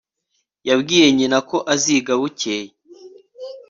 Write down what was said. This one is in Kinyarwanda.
Yabwiye nyina ko aziga bukeye